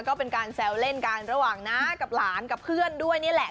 ก็เป็นการแซวเล่นกันระหว่างน้ากับหลานกับเพื่อนด้วยนี่แหละ